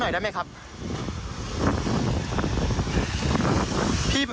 พี่เป็นใครอะครับพี่